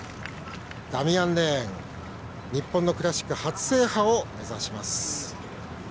ダミアン・レーン日本のクラシック初制覇を目指します。